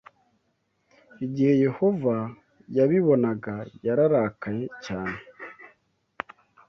Igihe Yehova yabibonaga, yararakaye cyane